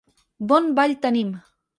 Bon ball tenim!